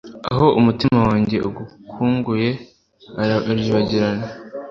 Aho umutima wanjye ugukanguye urabagirana